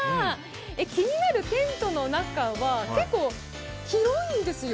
気になるテントの中は結構広いんですよ。